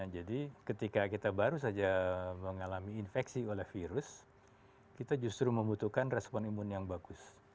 jadi ketika kita baru saja mengalami infeksi oleh virus kita justru membutuhkan respon imun yang bagus